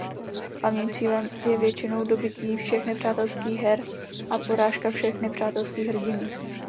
Hlavním cílem je většinou dobytí všech nepřátelských her a porážka všech nepřátelských hrdinů.